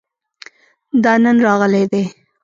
دا نن راغلی دی